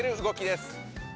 動きです。